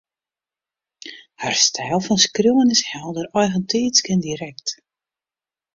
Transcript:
Har styl fan skriuwen is helder, eigentiidsk en direkt